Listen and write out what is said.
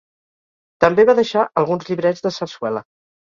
També va deixar alguns llibrets de sarsuela.